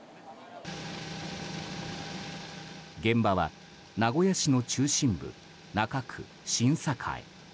現場は名古屋市の中心部、中区新栄。